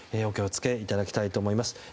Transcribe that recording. お気を付けいただきたいと思います。